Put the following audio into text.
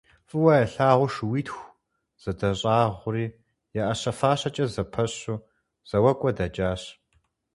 ФӀыуэ ялъагъуу шууитху зэдэщӀагъури я Ӏэщэ фащэкӀэ зэпэщу зэуакӀуэ дэкӀащ.